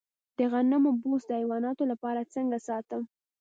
د غنمو بوس د حیواناتو لپاره څنګه ساتم؟